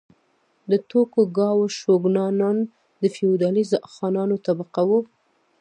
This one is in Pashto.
د توکوګاوا شوګانان د فیوډالي خانانو طبقه وه.